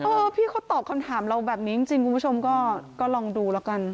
พี่เขาตอบคำถามเราแบบนี้จริงคุณผู้ชมก็ลองดูแล้วกัน